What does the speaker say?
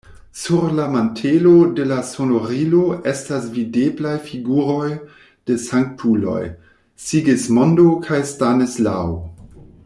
Sur la mantelo de la sonorilo estas videblaj figuroj de sanktuloj: Sigismondo kaj Stanislao.